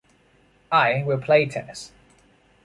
I will play tennis.